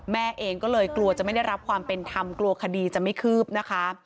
แม่เองก็เลยกลัวจะไม่ได้รับความเป็นธรรมกลัวคดีจะไม่คืบนะคะ